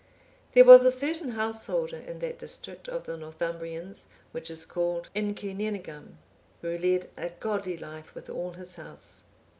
There was a certain householder in that district of the Northumbrians which is called Incuneningum,(841) who led a godly life, with all his house.